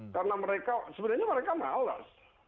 karena mereka sebenarnya mereka malas